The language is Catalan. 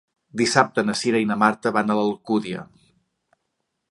Dissabte na Cira i na Marta van a l'Alcúdia.